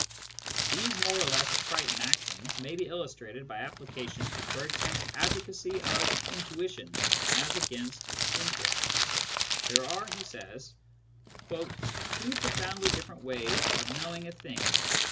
These more or less trite maxims may be illustrated by application to Bergson's advocacy of "intuition" as against " intellect." There are, he says, " two profoundly different ways of knowing a thing.